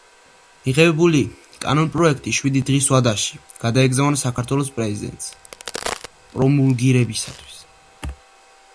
მიღებული კანონპროეტი შვიდი დღის ვადაში გადაეგზავნება საქართველოს პრეზიდენტს პრომულგირებისთვის